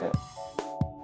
tunggu lagi ya